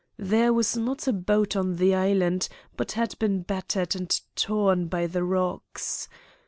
There was not a boat on the Island but had been battered and torn by the rocks.